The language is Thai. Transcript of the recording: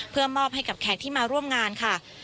เพื่อมอบให้กับแขกที่มาร่วมงานค่ะ